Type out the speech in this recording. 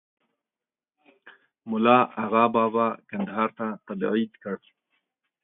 مُلا آغابابا کندهار ته تبعید کړ.